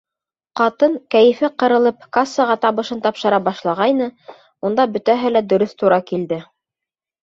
Ҡатын, кәйефе ҡырылып, кассаға табышын тапшыра башлағайны, унда бөтәһе лә дөрөҫ тура килде.